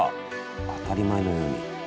当たり前のように。